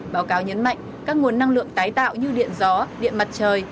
báo cáo nhấn mạnh các nguồn năng lượng tái tạo như điện gió điện mặt trời